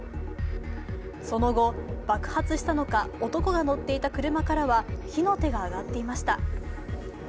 その後、爆発したのか男が乗っていた車からは火の手が上がっていました。